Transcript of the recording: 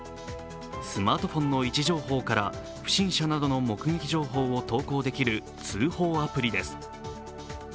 スマートフォンの位置情報から不審者などの目撃情報を投稿できる通報アプリです。